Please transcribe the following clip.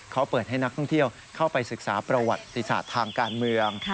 เขาเปิดให้นักท่องเที่ยวเข้าไปศึกษาประวัติศาสตร์ทางการเมือง